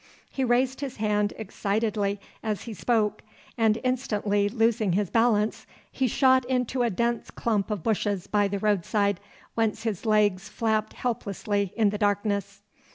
He raised his hand excitedly as he spoke, and instantly losing his balance, he shot into a dense clump of bushes by the roadside whence his legs flapped helplessly in the darkness.